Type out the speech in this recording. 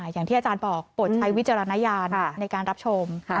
อย่างที่อาจารย์บอกโปรดใช้วิจารณญาณในการรับชม